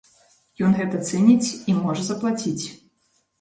Ён гэта цэніць і можа заплаціць.